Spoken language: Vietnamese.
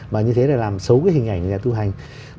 và như thế là làm xấu cái hình ảnh nhà tu hành